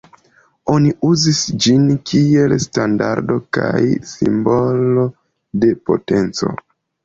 Oni uzis ĝin kiel standardo kaj simbolo de potenco.